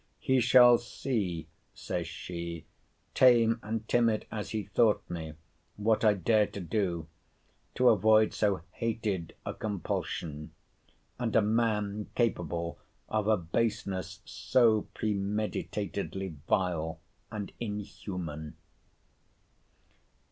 'He shall see,' says she, 'tame and timid as he thought me, what I dare to do, to avoid so hated a compulsion, and a man capable of a baseness so premeditatedly vile and inhuman.